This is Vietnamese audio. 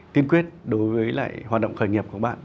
tiên quyết đối với lại hoạt động khởi nghiệp của các bạn